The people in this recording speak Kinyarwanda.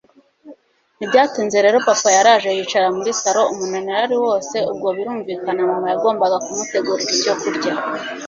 ntibyatinze rero papa yaraje yicara muri salon umunaniro ari wose, ubwo birumvikana mama yagombaga kumutegurira icyo kurya